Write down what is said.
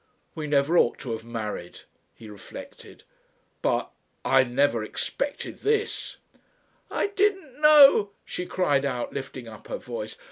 "We never ought to have married," he reflected. "But ... I never expected this!" "I didn't know," she cried out, lifting up her voice.